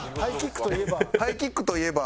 ハイキックといえば？